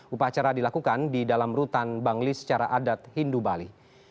upacara dilakukan di dalam rutan bangli secara adat hindu bali